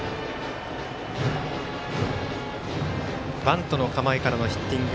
バントの構えからのヒッティング。